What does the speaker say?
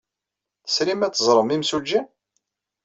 Tesrim ad teẓrem imsujji?